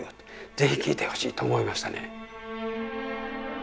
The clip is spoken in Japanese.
ぜひ聴いてほしいと思いましたね。